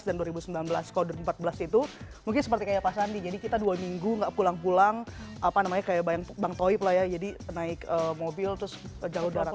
dua ribu sembilan belas kalau dua ribu empat belas itu mungkin seperti kayak pak sandi jadi kita dua minggu gak pulang pulang apa namanya kayak bayang bang toib lah ya jadi naik mobil terus jauh darat